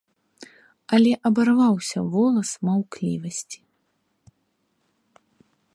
Але абарваўся волас маўклівасці.